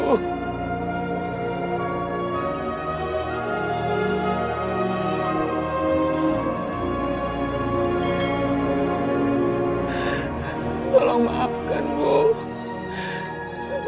kasihan istri saya sangat menderita bu